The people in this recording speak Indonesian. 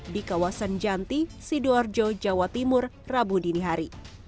di kawasan janti sidoarjo jawa timur rabu dini hari